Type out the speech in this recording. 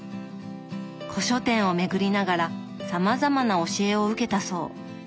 古書店を巡りながらさまざまな教えを受けたそう。